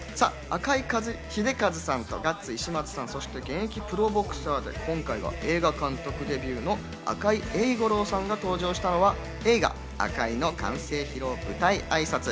赤井英和さんとガッツ石松さん、そして現役プロボクサーで今回が映画監督デビューの赤井英五郎さんが登場したのは、映画『ＡＫＡＩ』の完成披露舞台挨拶。